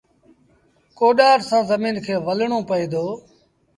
ڪوڏآر سآݩ زميݩ کي ولڻون پئي دو